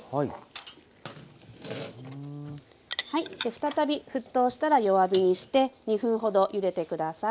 再び沸騰したら弱火にして２分ほどゆでて下さい。